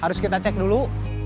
harus kita cek dulu